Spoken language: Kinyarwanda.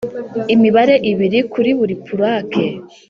Imibare ibiri kuri buri purake